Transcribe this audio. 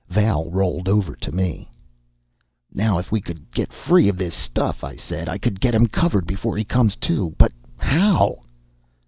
Val rolled over to me. "Now if I could get free of this stuff," I said, "I could get him covered before he comes to. But how?"